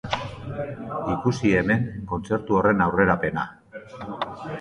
Ikusi hemen kontzertu horren aurrerapena!